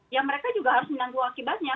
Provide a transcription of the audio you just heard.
ya mereka juga harus menanggung akibatnya